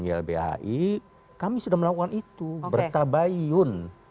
teman teman yelena kami sudah melakukan itu bertabayun